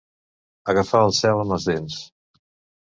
Agafar el cel amb les dents.